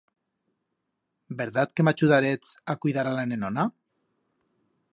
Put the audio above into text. Verdat que m'achudarets a cuidar a la nenona?